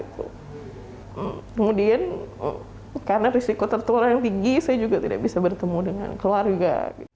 kemudian karena risiko tertular yang tinggi saya juga tidak bisa bertemu dengan keluarga